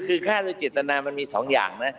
คือฆ่าโดยเจตนามันมี๒อย่างนะ